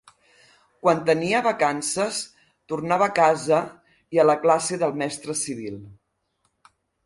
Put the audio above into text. Quan tenia vacances tornava a casa i a la classe del mestre Civil.